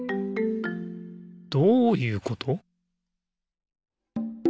どういうこと？